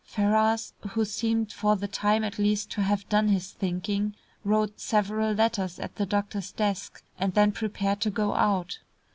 Ferrars, who seemed for the time at least to have done his thinking, wrote several letters at the doctor's desk, and then prepared to go out.